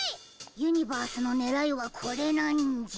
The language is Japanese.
ユニバースのねらいはこれなんじゃ。